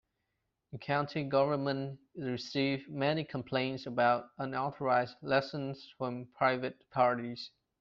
The county government received many complaints about unauthorized lessons from private parties.